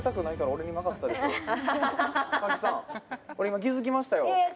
俺今気づきましたよ